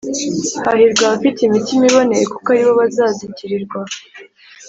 Hahirwa abafite imitima iboneye kuko aribo bazazigirirwa